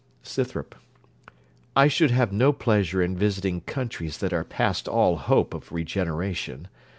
SCYTHROP I should have no pleasure in visiting countries that are past all hope of regeneration.